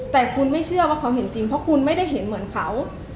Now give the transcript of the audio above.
แต่คุณไม่เชื่อว่าเขาเห็นจริงเพราะคุณไม่ได้เห็นเหมือนเขา